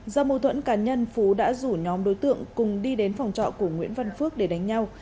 do mâu thuẫn cá nhân phú đã rủ nhóm đối tượng cùng đi đến phòng trọ của nguyễn văn phước để đánh nhau